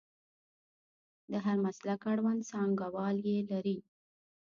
د هر مسلک اړوند څانګوال یې لري.